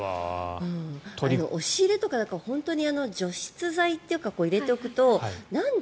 押し入れとか本当に除湿剤とか入れておくとなんで？